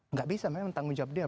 nggak bisa memang tanggung jawab dia